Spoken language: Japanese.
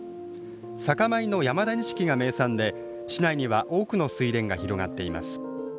酒米の山田錦が名産で市内には多くの水田が広がっています。